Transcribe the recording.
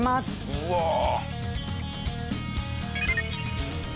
うわ！はあ。